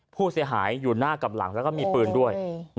ผู้เสียหายอยู่หน้ากับหลังแล้วก็มีปืนด้วย